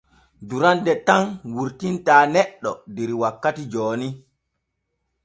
Duranne tan wurtinta neɗɗo der wakkati jooni.